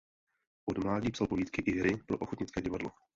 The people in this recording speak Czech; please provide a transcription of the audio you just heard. Od mládí psal povídky i hry pro ochotnické divadlo.